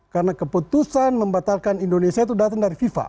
karena keputusan membatalkan indonesia itu datang dari fifa